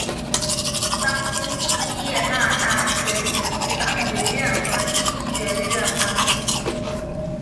当今锡耶纳大学以其法学院和医学院闻名。